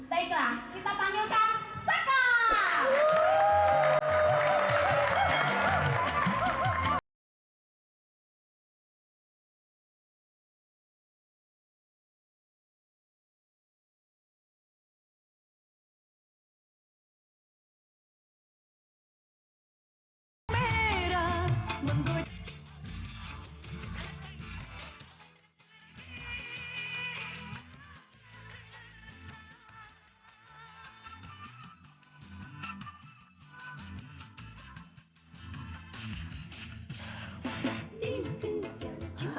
baiklah kita panggilkan saka